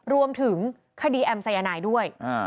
รวมถึงคดีแอมสายนายด้วย